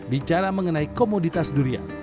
bicara mengenai komoditas durian